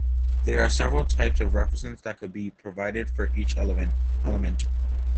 There are several types of references that could be provided for each element.